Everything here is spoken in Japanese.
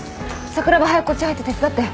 桜庭早くこっち入って手伝って。